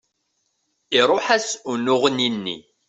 Iruḥ-as unuɣni-nni.